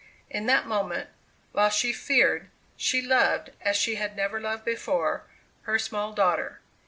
In that moment, while she feared, she loved, as she had never loved before, her small daughter.